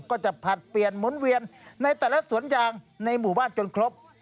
ก็จะผลัดเปลี่ยนหมุนเวียนในแต่ละสวนยางในหมู่บ้านจนครบ